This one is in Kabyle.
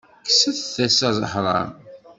Kkset-as aḥram.